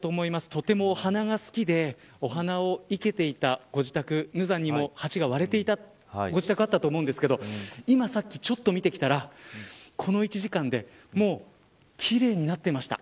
とてもお花が好きでお花を生けていたご自宅無残にも鉢が割れていたご自宅あったと思うですけど今さっき、ちょっと見てきたらこの１時間でもう奇麗になっていました。